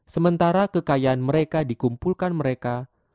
sementara kekayaan mereka dikumpulkan mereka